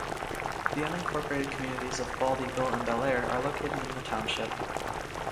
The unincorporated communities of Bald Eagle and Bellaire are located in the township.